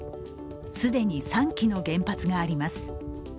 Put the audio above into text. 既に３基の原発があります。